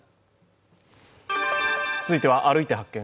続いては「歩いて発見！